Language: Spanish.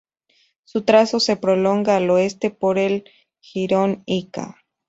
Su trazo se prolonga al oeste por el jirón Ica.